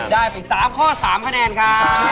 ได้๓ข้อ๓คะแนนค่ะ